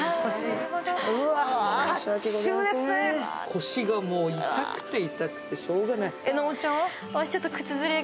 腰がもう痛くて痛くてしようがない。